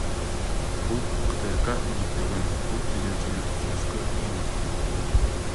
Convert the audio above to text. Бул КТРК үгүттөгөн кул ээлөөчүлүк түзүлүшкө эң мыкты жооп болот.